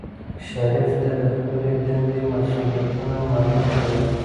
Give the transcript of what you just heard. شریف ته د خپلې دندې مسؤولیتونه معلوم دي.